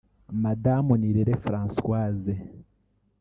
Madamu Nirere Francoise